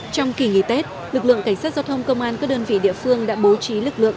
trong kỳ nghỉ tết lực lượng cảnh sát giao thông công an các đơn vị địa phương đã bố trí lực lượng